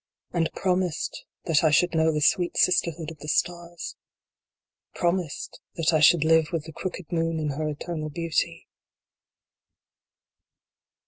And promised that I should know the sweet sisterhood of the stars. Promised that I should live with the crooked moon in her eternal beauty.